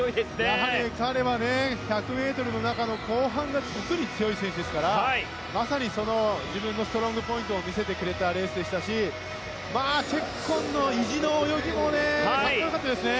やはり彼は１００ｍの中の後半が特に強い選手ですからまさに自分のストロングポイントを見せてくれたレースでしたしチェッコンの維持の泳ぎもかっこよかったですね。